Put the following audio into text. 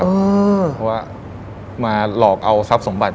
เพราะว่ามาหลอกเอาทรัพย์สมบัติ